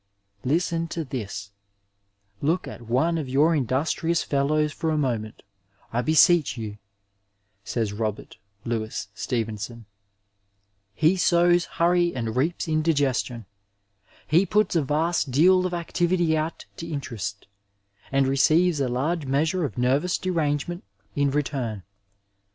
Listen to this :'^ Look at one of your industrious fellows for a moment, I beseech you," says Robert Louis Stevenson; ^'He sows hurry and reaps indigestion; he puts a vast deal of activity out to interest, and receives a large measure of nervous derangement in return.